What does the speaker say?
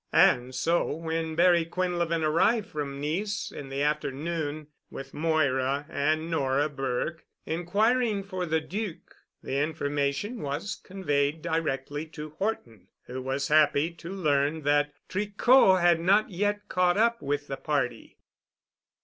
And so when Barry Quinlevin arrived from Nice in the afternoon, with Moira and Nora Burke, inquiring for the Duc, the information was conveyed directly to Horton, who was happy to learn that Tricot had not yet caught up with the party.